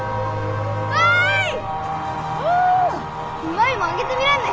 舞もあげてみらんね。